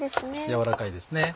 やわらかいですね。